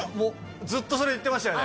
ずっとそれ言ってましたよね。